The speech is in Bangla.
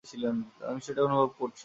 আমি সেটা অনুভব করছি।